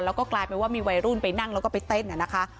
แล้วก็กลายเป็นว่ามีวัยรุ่นไปนั่งแล้วก็ไปเต้นนะคะ